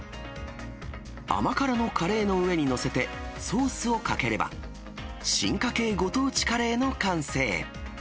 甘辛のカレー上に載せて、ソースをかければ、進化系ご当地カレーの完成。